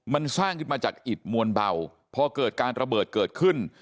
มันสร้างขึ้นมาจากอิดมวลเบาพอเกิดการระเบิดเกิดขึ้น